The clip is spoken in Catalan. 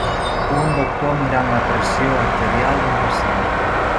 un doctor mirant la pressió arterial d"un pacient.